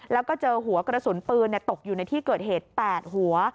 แล้วก็เจอหัวกระสุนปืนตกอยู่ในที่เกิดเหตุ๘หัว